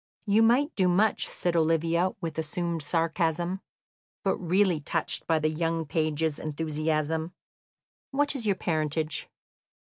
"You might do much," said Olivia, with assumed sarcasm, but really touched by the young page's enthusiasm. "What is your parentage?"